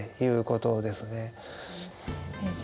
先生。